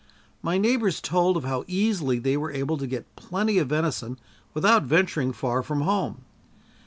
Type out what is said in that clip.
My neighbors told of how easily they were able to get plenty of venison without venturing far from home.